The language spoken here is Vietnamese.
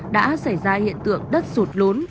đã xảy ra hiện tượng đất sụt lốn